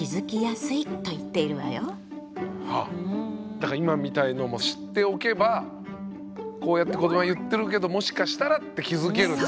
だから今みたいのも知っておけばこうやって子どもが言ってるけどもしかしたらって気付けるという。